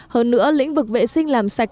hơn nữa lĩnh vực vệ sinh làm sạch